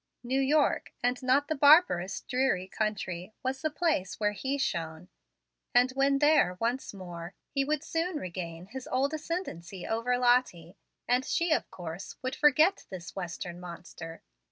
New York, and not the barbarous, dreary country, was the place where he shone; and when there once more, he would soon regain his old ascendency over Lottie, and she, of course, would forget this Western monster.